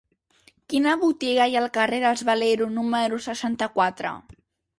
Quina botiga hi ha al carrer dels Valero número seixanta-quatre?